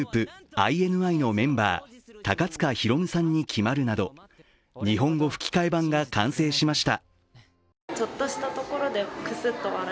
ＩＮＩのメンバー高塚大夢さんに決まるなど日本語吹き替え版が完成しました。